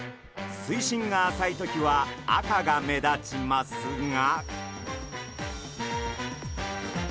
水深が浅い時は赤が目立ちますが。